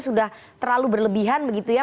sudah terlalu berlebihan begitu ya